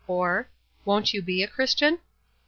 " or " Won't you be a Christian ?